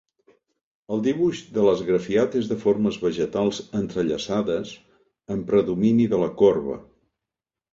El dibuix de l'esgrafiat és de formes vegetals entrellaçades, amb predomini de la corba.